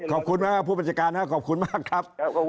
ถ้าเขามาด่าผมพูดของประชาชนเลยนะครับ